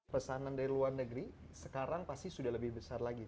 pesanan dari luar negeri sekarang pasti sudah lebih besar lagi